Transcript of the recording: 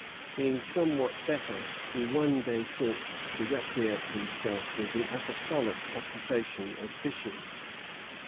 Being somewhat better, he one day thought to recreate himself with the apostolic occupation of fishing.